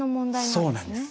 そうなんです。